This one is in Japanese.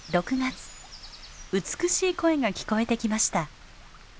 美しい声が聞こえてきました。